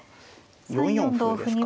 ４四歩ですか。